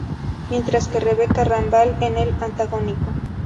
Mientras que Rebeca Rambal en el antagónico.